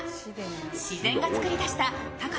自然が作り出した高さ